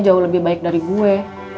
jauh lebih baik dari gue